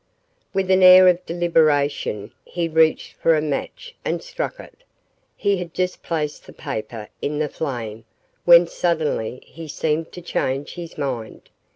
With an air of deliberation, he reached for a match and struck it. He had just placed the paper in the flame when suddenly he seemed to change his mind.